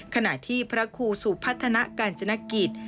ขณะที่พระครูสุพัฒนากาญจนกิจ